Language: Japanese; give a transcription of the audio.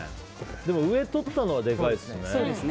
でも上とったのはでかいですね。